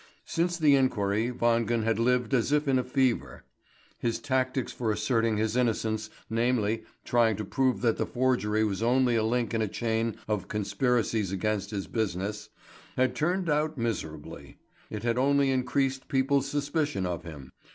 Since the inquiry Wangen had lived as if in a fever. His tactics for asserting his innocence, namely, trying to prove that the forgery was only a link in a chain of conspiracies against his business, had turned out miserably. It had only increased people's suspicion of him.